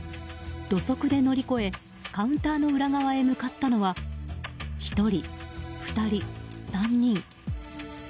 土足で乗り越えカウンターの裏側へ向かったのは１人、２人、３人。